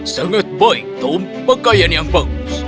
sangat baik tom pakaian yang bagus